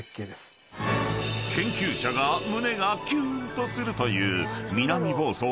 ［研究者が胸がキュンとするという］